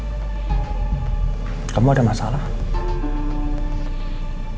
atau mungkin kamu ada kesalahan